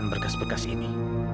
saya letakkan berkas berkas ini